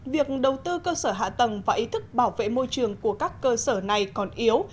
việc đầu tư cơ sở hạ tầng và ý thức bảo vệ môi trường của các cơ sở này còn yếu